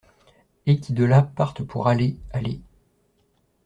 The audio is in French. Et qui de la partent pour aller, aller…